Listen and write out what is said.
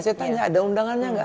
saya tanya ada undangannya nggak